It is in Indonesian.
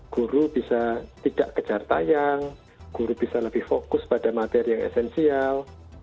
guru bisa tidak kejar tayang guru bisa lebih fokus pada materi yang esensial